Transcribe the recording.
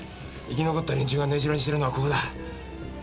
生き残った連中が根城にしてるのはここだ。